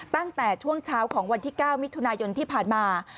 ตั้งแต่ช่วงเช้าของวันที่๙มิถุนายนที่ผ่านมา